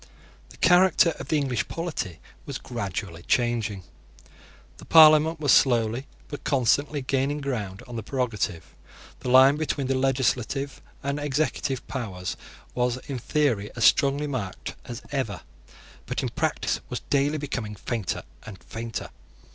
The character of the English polity was gradually changing. The Parliament was slowly, but constantly, gaining ground on the prerogative. The line between the legislative and executive powers was in theory as strongly marked as ever, but in practice was daily becoming fainter and fainter.